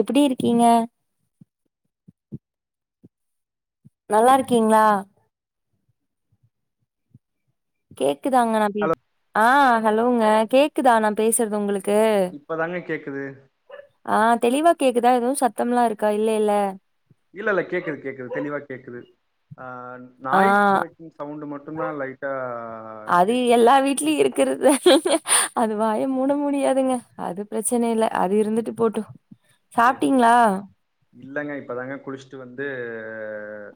எப்டி இருக்கீங்க நல்லா இருக்கீங்ளா கேக்குதாங்க நா பே ஹலோ ஆ ஹலோங்க கேக்குதா நா பேசுறது உங்களுக் இப்பதாங்க கேக்குது ஆ தெளிவா கேக்குதா எதுவு சத்தம்லா இருக்கா இல்லேல இல்ல இல்ல கேக்குது கேக்குது தெளிவா கேக்குது ஆ ஆ நாய் குறைக்கும் சவுண்டு மட்டுதா லைட்டா கேக்குது [unintelligible] இருக்கறது தானங்க அது வாய மூட முடியாதுங்க அது பிரச்சன இல்ல அது இருந்துட்டு போட்டு செரி செரி சாப்ட்டீங்களா இல்லங்க இப்பதாங்க குளிச்சுட்டு வந்து அ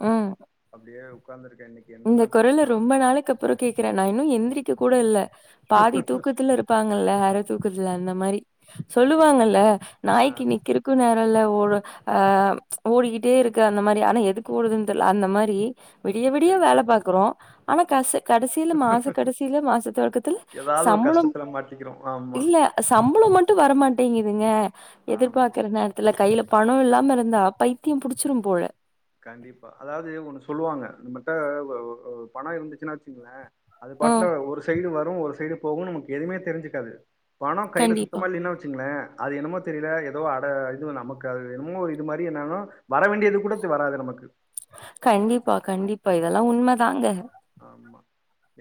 அப்டியே உக்காந்துருக்க இன்னைக் உங்க குரல ரொம்ப நாளைக்கு அப்றோ கேக்குற நா இன்னு எந்திரிக்க கூட இல்ல பாதி தூக்கத்துல இருப் பாங்கல்ல அரை தூக்குதுல அந்த மாரி சொல்லுவாங்கல்ல ஆ நாய்க்கு நிக்கிற துக்கு நேரோல்ல ஓடு ஆ ஓடிக்கிட்டே இருக்கு அந்த மாரி ஆனா எதுக்கு ஓடுதுன்னு தெர்ல அந்த மாரி விடிய வி டிய சேரிங்க வேல பாக்றோ ஆனா காசு கடைசில மாச கடைசில மாச தொடக்கத்துல ஏதாவது ஒரு சம்பளோம் கஷ்டத்துல மாட்டிக்கிறோ ஆமா இல்ல சம்பளம் மட்டும் வரமாட்டேங்குதுங்க ஆமா எதிர்பாக்கற நேரத் த்துல கையில பணோ இல்லாம இருந்தா பைத்தியம் புடுச்சிரும் போல கண்டிப்பா அதாவது ஒண்ணு சொல்லுவாங்க நம்மட ஒ ஒ பணோ இருந்துச்சுனா வச்சுங்களே அது பாட்டுல ம். ஒரு சைடு வரு ஒரு சைடு போகும்னு நமக்கு எதுவுமே தெரிஞ்சுக்காது பணம் கையில கண்டிப்பா. சுத்தமா இல்லைனா வச்சுங்களே அது என்னமோ தெரியல ஏதோ அட இது நமக்கு அது என்னமோ ஒரு இது மாரி என்ன வர வேண்டியது கூட வராது நமக்கு கண்டிப்பா கண்டிப்பா இதெல்லா உண்மதாங்க ஆமா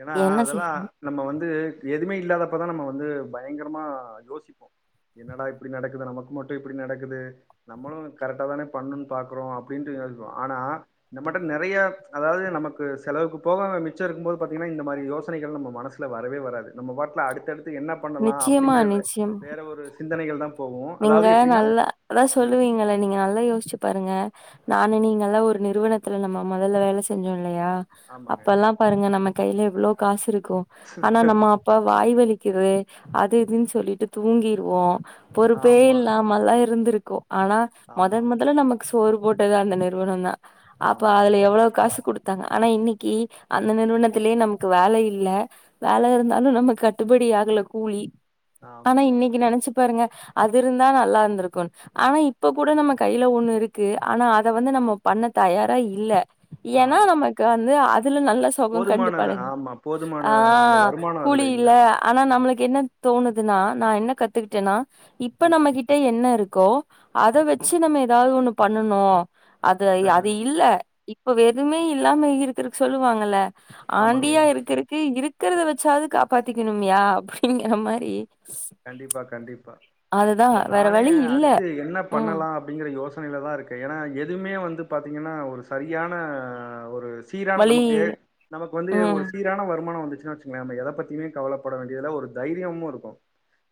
ஏன்னா என்ன அதெல்லா செய்யணு நம்ம வந்து எதுவுமே இல்லாத அப்ப தா நம்ம வந்து பயங்கரமா யோசிப்போ என்னடா இப்டி நடக்குது நமக்கு மட்டு இப்டி நடக்குது நம்மளு கரெக்டா தானே பண்ணும்னு பாக்குறோ அப்டின்னுட்டு ஆனா இந்த மட்டு நெறைய அதாவது நமக்கு செலவுக்கு போகாம மிச்ச இருக்கும் போது பார்த்தீங்கன்னா இந்த மாரி யோசனைகள் நம்ம மனசுல வரவே வராது நம்ம பாட்ல அடுத்தடுத்து என்ன பண்ணலா நிச்சயமா அப்டிங்கிற வே நிச்சயம் வேற ஒரு சிந்தனைகள் தா போகு நீங்க அதாவது எப்டின்னா நல்லா அதா சொல்லுவீங்களா நீங்க நல்லா யோசிச்சு பாருங்க நானு நீங்க எல்லா ஒரு நிறுவனத்துல நம்ம முதல்ல வேல செஞ்சோ இல்லயா ஆமாங்க அப்பல்லா பாருங்க நம்ம கையில எவ்ளோ காசு இருக்கூ ஆனா நம்ம அப் அப்ப வாய் வலிக்கிது அது இதுன் சொல்லிட்டு தூங்கிருவோ பொறுப்பே ஆமா இல்லா ம ல்லா இருந்திருக்கோ ஆனா மொதன் ஆமாம் மொதல்ல நமக்கு சோறு போட்டது அந்த நிறுவனந்தா அப்ப ஆமாங்க அதுல எவ்வுளவு காசு குடுத் தாங்க ஆனா இன்னிக்கி அந்த நிறுவனத்திலேயே நமக்கு வேலை இல்ல வேலை இருந்தாலு நமக்கு கட்டுபடி ஆகல கூலி ஆனா ஆமா இன்னைக்கி நெனச்சு பாருங்க அது இருந்தா நல்லா இருந்திருக்கூன் ஆனா இப்ப கூட நம்ம கையில ஒண்ணு இருக்கு ஆனா அத வந்து நம்ம பண்ண தயார இல்ல ஏன்னா ஆமாங்க நமக்கு வந்து அதுல நல்ல ச சொக கண்டு போதுமான பழகி ஆமா போதுமான ஆ அந்த வருமானோ கூலி அதுல இல்ல ஆனா நம்மளுக்கு என்ன தோணுதுனா நா என்ன கத்துக்கிட்டேனா இப்ப ம் நம்மகிட்ட என்ன இருக்கோ அத வச்சு நம்ம எதாவ்து ஒண்ணு பண்ணனு அது ஆ அது இல்ல இப்பவே எதுமே இல்லாம இருக்கறதுக்கு சொல்லு வாங்கல்ல ஆமாங்க ஆண்டியா இருக்குருக்கு இருக் இருக்கிறத வச்சாவ்து காப்பாத்திக்கிணும்யா அப்படிங்கிற மாறி கண்டிப்பா கண்டிப்பா இப்ப வேற நானே வழி இல்ல அடுத்து என்ன ம் பண்ணலா அப் அப்டிங்கிற யோசனையில தா இருக்கே ஏன்னா எதுவுமே வந்து பாத்தீங்கன்னா ஒரு சரியான ஒரு சீரான வழி நமக்கு நமக்கு வந்து ம் ஒரு சீ சீரான வருமானொ வந்துச்சின் வச்சுங்ளே நம்ம எதை பத்தியுமே கவலப்பட வேண்டியது இல்ல ஒரு தைரியமு இருக்கூ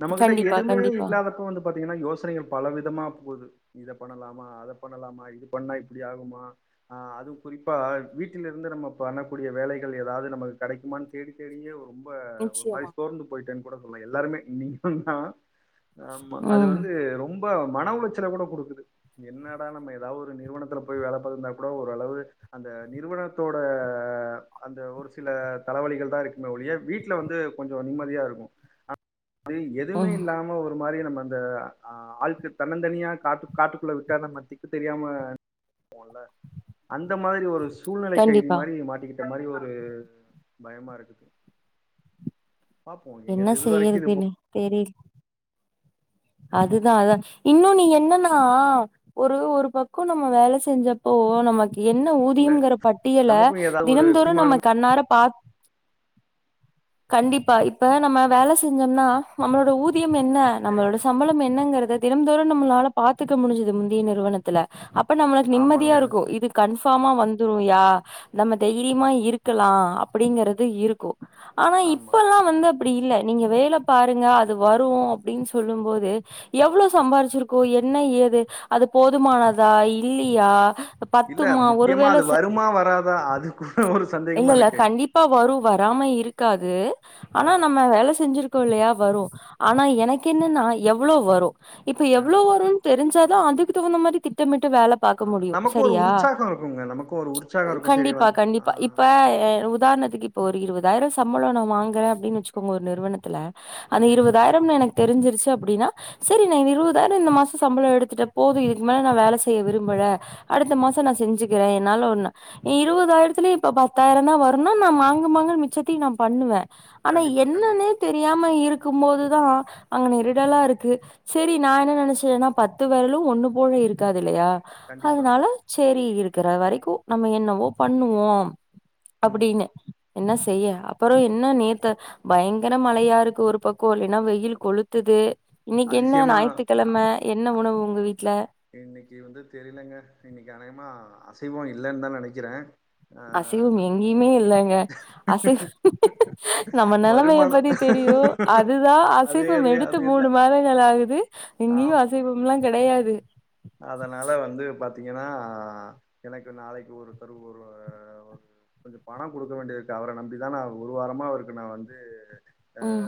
நம்ம கிட்ட கண்டிப்பா எதுவுமே கண்டிப்பா இல்லாத அப்ப வந்து பாத்தீங்கன்னா யோசனைகள் பல விதமா போது இத பண்ணலாமா அத பண்ணலாமா இது பண்ணா இப்புடி ஆகுமா ஆ அதும் குறிப்பா வீட்டில் இருந்து நம்ம பண்ணக்கூடிய வேலைகள் எதாவ்து நமக்கு கெடைக்குமான் தேடி தேடியே ஒரு ரொம்ப ஒரு மாரி நிச்சயமா சோர்ந்து போயிட்டேன் கூட சொல்லலா எல்லாருமே நீங்களு தா ஆமா அது ம் வந்து ரொம்ப மன உளைச்சல கூட குடுக்குது என்னடா நம்ம எதாவ்து ஒரு நிறுவனத்துல போய் வேல பாத்திருந்தா கூட ஓரளவு அந்த நிறுவனத்தோட அந்த ஒரு சில தலவலிகள் தா இருக்குமே ஒழிய வீட்ல வந்து கொஞ்சொ நிம்மதியா இருக்கூ [inaudible] எதுவுமே ம் இல்லாம ஒரு மாரி நம்ம அந்த ஆ ஆளுக்கு தன்னந் தனியா காட்டுக் காட்டுக்குள்ள விட்டா நம்ம திக்கு தெரியாம போல அந்த மாதிரி ஒரு விஷ் சூழ்நிலை கைதி கண்டிப்பா மாரி மாட்டிக்கிட்ட மாரி ஒரு பயமா இருக்குது பாப்போ எங்க என்ன இது வரைக்கு இது போ செய்யறதுன்னே தெரியில அதுதா அதா இன்னு நீ என்னன்னா ஒரு ஒரு பக்கொ நம்ம வேல செஞ்சப்போ நமக் என்ன ஊதியம்ங்குற பட்டியல நமக்கு ஏதாவது ஒரு தினம்தோறும் நம்ம தீர்மானம் கண்ணாற பா கண்டிப்பா இப்ப நம்ம வேல செஞ்சோம்னா நம்மளோட ஊதியம் என்ன நம்மளோட சரிங்க சம்பளம் என்னங்குறத தினம் தோறும் நம்மளால பாத்துக்க முடிஞ்சது முந்தைய நிறுவனத்துல அப்ப நம்மளுக்கு நிம்மதியா ஆமாங்க இருக்கூ இது கன்ஃபாமா வந்துரு யா நம்ம தைரியமா இருக்கலா அப்படிங்கறது இருக்கூ ஆனா ஆமா இப்பெல்லா வந்து அப்டி இல்ல நீங்க வேல பாருங்க அது வரு அப்டின் சொல்லும் போது து எவ்ளோ சம்பாரிச்சிருக்கோ என்ன ஏது அது போதுமானதா இல்லியா இல்ல முக்கியமா அது வருமா வராதா அது கூட ஒரு இல்ல சந்தேகமா இல்ல இருக்கு கண்டிப்பா வரு வராம இருக்காது ஆ ஆனா நம்ம வேல செஞ்சிருக் கோல்லயா வரு ஆனா எனக்கு என்னனா எவ்வளோ வரு இப்ப ஆ எவ்ளோ வருன் தெரிஞ்சாதா அதுக்கு தகுந்த மாரி திட்டமிட்டு வேல ஆ பாக்க முடியு நமக்கு ஒரு செரியா உற்சாகோ இருக்குங்க நமக்கு ஒரு உற்சாகோ இருக்கு சரி கண்டிப்பா வந்து ஆ கண்டிப்பா இப் [unintelligible] உதாரணத்துக்கு இப்ப ஒரு இருவதாயிரோ சம்பளோ நா வாங்குறனு அப்டின்னு வெச்சுக்கோங்க ஒரு நிறுவனத்துல அந்த சரிங்க இருவதாயிரம்னு எனக்கு தெரிஞ்சிருச்சு அப்டின்னா செரி நா இருவதாயிரோ இந்த மாசோ சம்பளோ எடுத்துட்ட போது இதுக்கு மேல நா வேல செய்ய விரும்பல அடுத்த மாசோ நா செஞ்சுக்கிறே என்னால ஒண்ண இருவதாயிரத்துலியே இப்ப பத்தாயிரந்தா வருன்னா நா மாங்கு மாங்குனு மிச்சத்தையு நா பண்ணுவே ஆனா கண்டிப்பா என்னனே கண்டிப்பா தெரி தெரியாம இருக்கும் போது தா அங்க நெரிடலா இருக்கு செரி நா என்ன நெனச்சேனா பத்து வெரலு ஒண்ணு போல இருக்காது இல்லியா கண்டிப்பாங்க அதுனால சேரி இருக்குற வரைக்கு நம்ம என்னவோ பண்ணுவோம ம் அப்டின்னு என்ன செய்ய அப்றோ என்ன நேத்து பயங்கர மழையா இருக்கு ஒரு பக்கோ இல்லன்னா வெயில் கொளுத்துது இன்னிக்கி என்ன அதிசயமா ஞாயித்துக்கிழம என்ன உணவு உங்க வீட்ல இன்னிக்கி வந்து தெரிலங்க இன்னிக்கி அனேகமா அசைவோ இல்லனு தா நெனைக்கிற அசைவம் எங்கேயுமே இல்லங்க அசைவ நம்ம நெலைமைய வருமானோ பத்தி தெரியு அது தா அதே அசைவம் அதே எடுத்து அதேதா மூணு மாதங்கள் ஆ ஆகுது இங்கயு ஆம் அசைவம்ல்லா கெடையாது அதனால வந்து பாத்தீங்கன்னா எனக்கு நாளைக்கு ஒருத்தரு ஒரு கொஞ்சோ பணோ குடுக்க வேண்டியது இருக்கு அவர நம்பிதா நா ஒரு வாரமா அவருக்கு நா வந்து ஆ ம்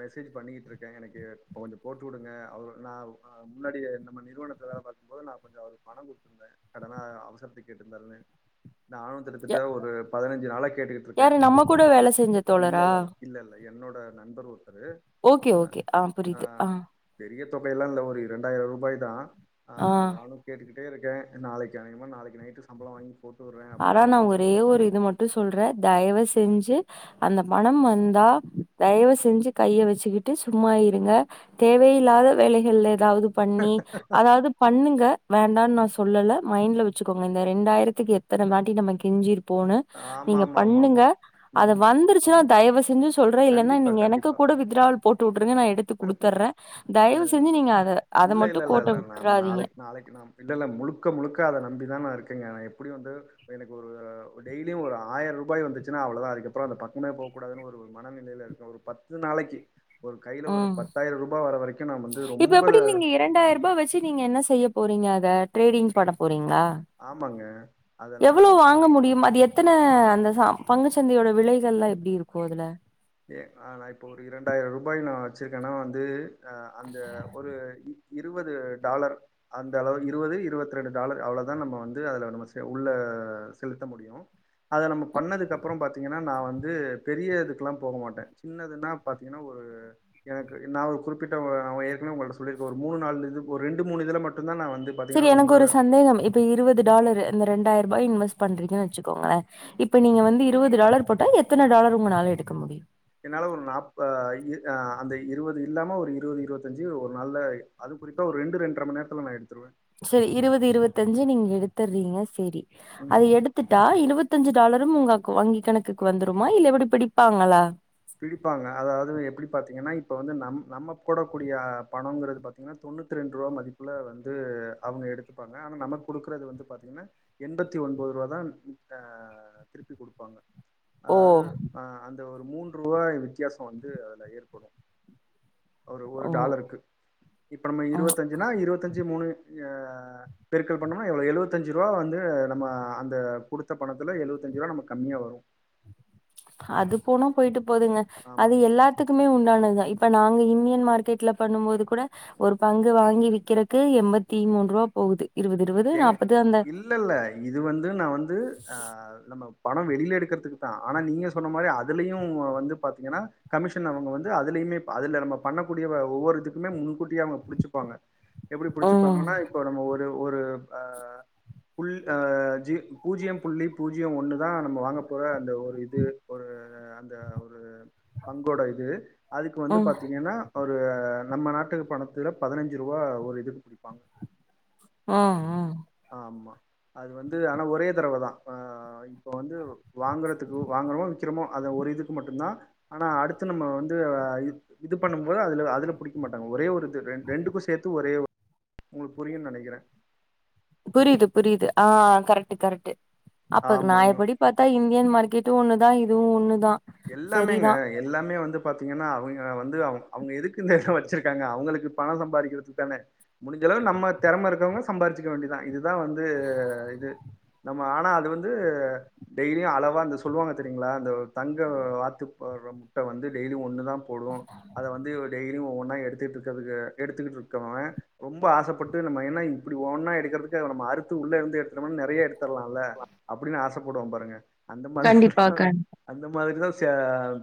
மெசேஜ் பண்ணிக்கிட்டு இருக்க எனக்கு இப்போ கொஞ்சோ போட்டு விடுங்க அவ நா முன்னாடியே நம்ம நிறுவனத் துல வேல பாக்கும் போது நா கொஞ்சோ அவருக்கு பணோ குடுத்திருந்த கடனா அவசரத்துக்கு கேட்டிருந்தாருனு நானு கிட்டத்தட்ட யா- ஒரு பதினஞ்சு நாளா கேட்டுக்கிட்டு யாரு இருக்கே நம்ம கூட வேல செஞ்ச இல்ல தோழரா இல்ல இல்ல இல்ல என்னோட நண்பர் ஒருத்தரு ஓகே ஓகே ஆ புரியுது ஆ பெரிய தொகையெல்லா இல்ல ஒரு இரண்டாயிரோ ரூபாய் தா ஆ ஆனாலு கேட்டுக்கிட்டே இருக்கே நாளிக்கி அனேகமா நாளிக்கி நைட்டு சம்பள வாங்கி போட்டு விட்றே அப்டிங்குற மாரி சொல்லிட்டு [unintelligible] சொல்ற தயவு செஞ்சு அந்த பணம் வந்தா தயவு செஞ்சு கைய வெச்சுக்கிட்டு சும்மா இருங்க தேவையில்லாத வேலைகள்ல எதாவது பண்ணி அதாவது பண்ணுங்க வேண்டான்னு நா சொல்லல மைண்ட்ல வெச்சுக்கோங்க இந்த ரெண்டாயிரத்துக்கு எத் எத்தன வாட்டி நம்ம கெஞ்சிருப்போனு ஆமா நீங்க ஆமா ஆமா பண்ணுங்க ஆமா அது ம் வந்துருச்சுன்னா தயவு செஞ்சு சொல்ற இல்லனா கண்டிப்பா நீங்க எனக்கு கண்டிப்பா கூட வித்டிராவல் போட்டு விட்ருங்க நா எடுத் குடுத்துடுற தயவு ஆமா செஞ்சு நீங்க அத அத மட்டு கோட்ட விட்றாதீங்க நாளிக்கு நா இல்ல இல்ல முழுக்க முழுக்க அத நம்பிதா நா இருக்கேங்க நா எப்டியு வந்து எனக்கு ஒரு டெய்லியு ஒரு ஆயிரரூபா வந்துச்சுன்னா அவ்ளோ தா அதுக்கப்றோ அந்த பக்கமே போக கூடாதுனு ஒரு மனநிலையில இருக்க ஒரு பத்து நாளிக்கி ஒரு கையில ஒரு ம் பத்தாயிர ரூபா வர வரைக்கு‌ நா வந்து ரொம்ப ரெண்டாயிர ரூபா வெச்சு நீங்க என்ன செய்ய போறீங்க அத டிரேடிங் பண்ண போறீங்களா ஆமாங்க அத நா எவ்ளோ வாங்க முடியும் அது எத்தன அந்த பங்குச்சந்தையோட விலைகள் எல்லா எப்டி இருக்கு அதுல ஏ நா இப்போ ஒரு இரண்டாயிர ரூபாய் நா வெச்சுருக்கேன்னா வந்து அந்த ஒரு இருவது டாலர் அந்த அளவு இருவது இருவத்தி ரெண்டு டாலர் அவ்ளதா நம்ம வந்து ஆ நம்ம உள்ள செலுத்த முடியு அத நம்ம பண்ணதுக்கு அப்றோ பாத்தீங்கன்னா நா வந்து பெரிய இதுக்கெல்லா போக மாட்டே சின்னதுன்னா பாத்தீங்கன்னா ஒரு எனக்கு நா ஒரு குறிப்பிட்ட ஏற்கனவே உங்களிட்ட சொல்லிருக்க ஒரு மூணு நாலு இது ஒரு ரெண்டு மூணு இதுல மட்டுதா நா வந்து செரி பாத்தீங்கன்னா எனக்கு ரொம்ப ஒரு சந்தேகம் இப்ப இருவது டாலர் இந்த ரெண்டாயிர ரூபா இன்வெஸ்ட் பண்றீங்க வச்சுக்கோங்க இப்ப நீங்க வந்து இருவது டாலர் போட்டா எத்தன டாலர் உங்கனால எடுக்க முடியு என்னா ஒரு நாப் அந்த இருவது இல்லாம ஒரு இருவது இருவத்தஞ்சு ஒரு நாள்ல அது குறிப்பா ஒரு ரெண்டு ரெண்ட்ர மண் நேரத்துல நா எடுத்துருவே சரி இருவது இருவத்தஞ்சு நீங்க எடுத்துரிங்க சரி ம் அத எடுத்து டுத்துட்டா இருவத்தஞ்சு டாலரு உங்க வங்கி கணக்கு வந்துடுமா இல்ல எப்டி பிடிப்பாங்களா பிடிப்பாங்க அதாவது எப்படி பாத்தீங்கன்னா இப்ப வந்து நம் நம்ம போடக்க கூடிய பணோங்றது பா த்தீங்கன்னா தொண்ணூத்தி ரெண்டு ருவா மதிப்புல வந்து அவங்க எடுத்துப்பாங்க ஆனா நமக்கு குடுகாறது வந்து பாத்திங்ன்னா எண்பத்தி ஒம்போது ருவா தா அ திருப்பி குடுப்பாங்க ஓ அதாவ்து அ அந்த ஒரு மூன்று ருவாய் வித்தியாசோ வந்து அதுல ஏற்படு ஒரு ஒரு ஓ டாலருக்கு இப்ப நம்ம ஆ. இருவத்தஞ்சுனா இருவத்தஞ்சு மூணு அ பெருக்க்கள் பண்ணோமா எவ்ளோ எழுவத்தஞ்சு ருவா வந்து நம்ம அந்த குடுத்த பணத்துல எழுவத்தஞ்சு ருவா நமக்கு கம்மியா வரு அது போனா பொய்ட்டு போதுங்க அது ஆமாங்க எல்லா த்துக்குமே உண்டானதுதா இப்ப நாங்க இன்டியன் மார்க்கெட்ல பண்ணு போது கூட ஒரு பங்கு வாங்கி விக்கிறக்கு எண்பத்தி மூன்ருவா போவுது இருவது எங்க இல்ல இல்ல இது வந்து நா வந்து அ நம்ம பணோ வெளியில எடுக்றதுக்குதா ஆனா நீங்க சொன்ன மாதிரி அதுலயு வந்து பாத்திங்ன்னா கமிஷன் அவுங்க வந்து அதுலியுமே அதில நம்ம பண்ணக்கூடிய ஒவ்வொரு இதுக்குமே முன்கூட்டியே அவுங்க புடிச்சிப்பாங்க எப்டி ம் புடிச்சுப்பாங்கன்னா இப்போ நம்ம ஒரு ஒரு அ புல் அ ஜி பூஜ்ஜியம் புள்ளி பூஜ்ஜியம் ஒன்னு தா நம்ம வாங்க போற அந்த ஒரு இது ஒரு அந்த ஒரு பங்கோட இது அதுக்கு வந்து ம் பாத்திங்கன்னா ஒரு நம்ம நாட்டு பணத்தி பதினஞ்சு ருவா ஒரு இதுக்கு பிடிப்பாங்க ம்ம் ம் ஆமா அது வந்து ஆனா ஒரே தரவதா அ இப்போ வந்து வாங்குறதுக்கு வாங்கிறமோ விக்ரமோ அந்த ஒரு இதுக்கு மட்டு்தா ஆனா அடுத்து நம்ம வந்து இது பண்ணும்போது அது அது ல புடிக்க மாட்டாங்க ஒரே ஒரு இது ரெண்டுக்கு சேத்து ஒரே உங்ளுக்கு புரியுனு நெனைக்றே புரியுது புரியுது அ கரெக்ட் கரெக்ட் அப்ப ஆமாங்க நாயப்படி பாத்தா இந்தியன் மார்க்கெட்டு ஒண்ணுதா இதுவு ஒண்ணுதா எல்லாமேங்க சரிதா எல்லாமே வந்து பாத்திங்கன்னா அவங்க வந்து அவ அவுங்க எதுக்கு இதுல வச்சிருக்காங்க அவூங்களுக்கு பணோ சம்பாரிக்றதுக்குதான முடிஞ்சளவு நம்ம தெறம இருக்கவங்க சம்பாதிச்சுக்க வேண்டியதா இதுதா வந்து இது நம்ம ஆனா அது வந்து டெய்லியு அளவா அந்த சொல்லுவாங்க தெரியுங்ளா அந்த தங்க வாத்துபோட்ற முட்டை வந்து டெய்லி ஒன்னுதா போடு அத வந்து டெய்லி ஒவ்வொன்னா எடுத்துட்டு இருக்கதுக்கு எடுத்துக்கிட்டு இருக்கவ ரொம்ப ஆசப்பட்டு நம்ம என்னா இப்டி ஒன்னா எடுக்கறதுக்கு நம்ம அறுத்து உள்ள இருந்து எடுத்துட்டோம்னா நெறைய எடுத்து தரலால அப்டின்னு ஆசைப்படுவோ பாருங்க அந்த கண்டிப்பா மாதிரிதா கண் அந்த மாதிரிதா ச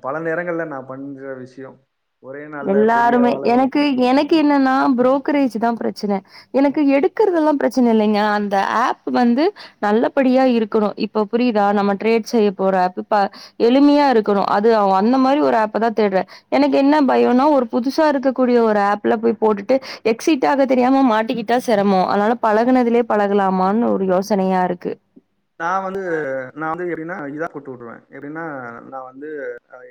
பல நேரங்கள்ல நா பண்ற விஷ்யோ ஒரே நாள்ல பெரிய எல்லாருமே அளவள் எனக்கு எனக்கு என்னன்னா ப்ரோக்கரேஜ்தா பிரச்சன எனக்கு எடுக்றதஎல்லா பிரச்சன இல்லைங்க அந்த ஆப் வந்து நல்லபடியா இருக்கணு இப்ப புரியுதா நம்ம ட்ரேட் செய்ய போற ஆப்பு இப்ப எளிமையா இருக்கணு அது அவ அந்த மாதிரி ஒரு ஆப்பதா தேடுறே எனக்கு என்ன பயோனா ஒரு புதுசா இருக்கக்கூடிய ஒரு ஆப்ல போய் போட்டுட்டு எக்ஸிட் ஆக தெரியாம மாட்டிக்கிட்டா சிரமோ அதனால பழகுனதுலேயே பழகலாமான்னு ஒரு யோசனையாருக்கு நா வந்து நா வந்து எப்படின்னா [unintelligible] விடுவேன் எப்படின்னா நா வந்து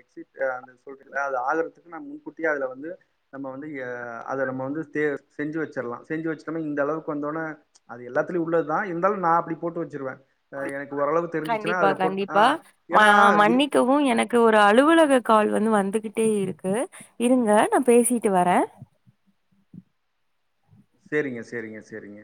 எக்ஸிட் சொல்றல அது ஆகுறதுக்கு நான் முன்கட்டியே அதுல வந்து நம்ம வந்து ஏ அதை நம்ம வந்து தே செஞ்சு வெச்சரலா செஞ்சு வெச்சுட்டோம்னா இந்த அளவுக்கு வந்தோனே அது எல்லாத்துலயு உள்ளதுதா இருந்தாலு நா அப்டி போட்டு வச்சுருவே இப்ப எனக்கு ஓரளவு தெரிஞ்சிச்சுன்னா அதுல போட் ஆ ஏனா இது கவு எனக்கு ஒரு அலுவலக கால் வந்து வந்துகிட்டே இருக்கு இருங்க நா பேசிட்டு வரே சேரிங்க சேரிங்க சேரிங்க